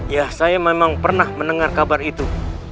ya saya memang pernah mendengar kabar itu